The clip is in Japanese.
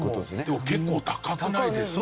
でも結構高くないですか？